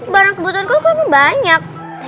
barang kebutuhan kamu banyak